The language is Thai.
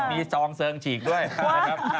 มีซองเซิงฉีกด้วยนะครับ